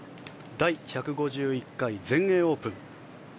第１５１回全英オープン。